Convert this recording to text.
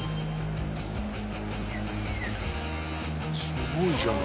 すごいじゃん。